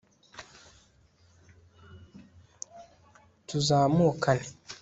tuzamukane